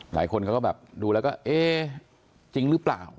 หลายคนเขาก็แบบดูแล้วก็เอ๊ะจริงหรือเปล่า